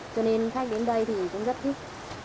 cho nên khách đến đây thì cũng rất thích